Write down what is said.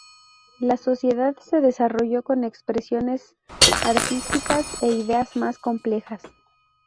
La sociedad se desarrolló con expresiones artísticas e ideas más complejas.